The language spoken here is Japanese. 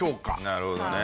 なるほどね。